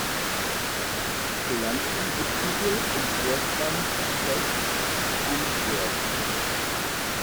Polanski widmete im Vorspann "Tess" Unsworth.